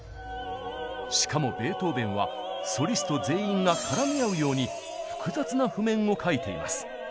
しかもベートーベンはソリスト全員が絡み合うように複雑な譜面を書いています。